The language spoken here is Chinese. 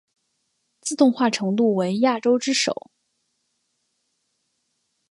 自动化程度为亚洲之首。